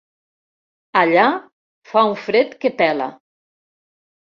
Allà fa un fred que pela.